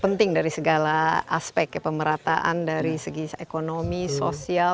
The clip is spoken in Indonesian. penting dari segala aspek ya pemerataan dari segi ekonomi sosial